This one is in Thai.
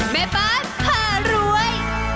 เม้ปัสหรวย